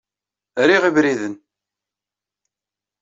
Riɣ ibriden.